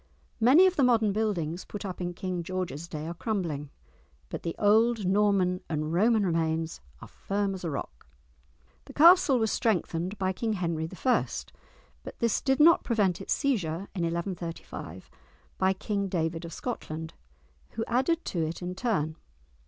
Many of the modern buildings put up in King George's day are crumbling, but the old Norman and Roman remains are firm as a rock! The castle was strengthened by King Henry I., but this did not prevent its seizure in 1135 by King David of Scotland, who added to it in turn.